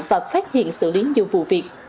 và phát hiện xử lý nhiều vụ việc